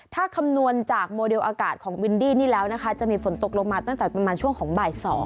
ถ้าคำนวณจากโมเดลอากาศของวินดี้นี่แล้วนะคะจะมีฝนตกลงมาตั้งแต่ประมาณช่วงของบ่าย๒